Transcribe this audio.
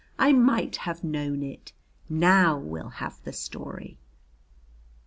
"I might have known it. Now we'll have the story!"